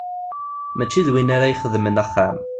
Mačči d win ara ixedmen axxam.